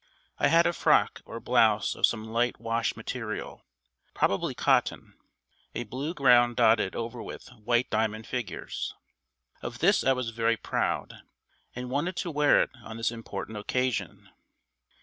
I had a frock or blouse of some light wash material, probably cotton, a blue ground dotted over with white diamond figures. Of this I was very proud, and wanted to wear it on this important occasion.